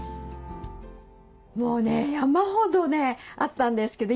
もうね山ほどねあったんですけど